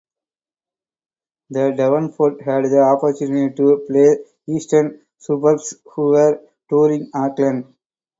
Then Devonport had the opportunity to play Eastern Suburbs who were touring Auckland.